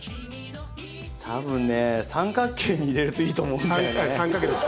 たぶんね三角形に入れるといいと思うんだよね。